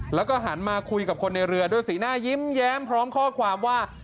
แล้วก็หันมาคุยกับคนในเรือด้วยสีหน้ายิ้มแย้มพร้อมข้อความว่า